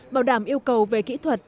bảo đảm yêu cầu về kỹ thuật